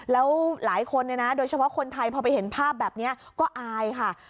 แล้วหลายคนเนี่ยนะโดยเฉพาะคนไทยพอไปเห็นภาพแบบนี้ก็อายค่ะ